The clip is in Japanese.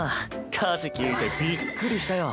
歌詞聴いてびっくりしたよ。